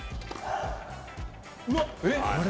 うわっ。